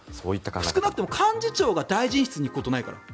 少なくとも幹事長が大臣室に行くことがないから。